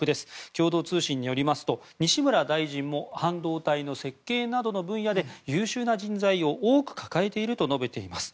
共同通信によりますと西村大臣も半導体の設計などの分野で優秀な人材を多く抱えていると述べています。